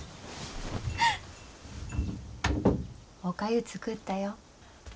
おかゆ作ったよ。